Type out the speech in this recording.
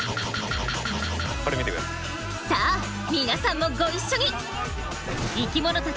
さあ皆さんもご一緒に！